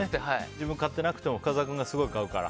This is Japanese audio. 自分が買ってなくても深澤君がすごい買うから。